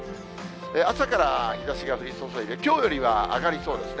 朝から日ざしが降り注いで、きょうよりは上がりそうですね。